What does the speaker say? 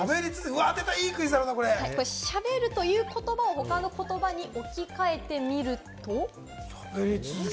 喋るという言葉を他の言葉に置き換えてみると？